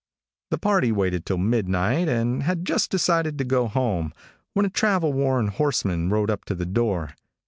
The party waited until midnight, and had just decided to go home, when a travel worn horseman rode up to the door.